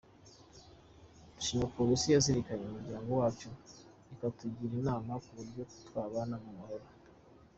Ndashima Polisi yazirikanye umuryango wacu ikatugira inama y’uburyo twabana mu mahoro.